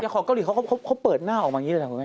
ของเกาหลีเขาเปิดหน้าออกมาอย่างนี้เลยนะคุณแม่